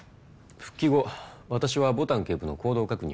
復帰後私は牡丹警部の行動確認を行います。